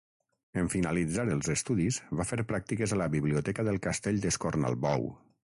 En finalitzar els estudis va fer pràctiques a la biblioteca del castell d'Escornalbou.